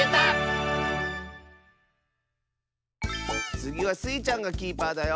つぎはスイちゃんがキーパーだよ！